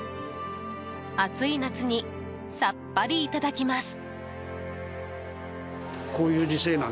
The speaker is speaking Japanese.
暑い夏にさっぱりいただきます。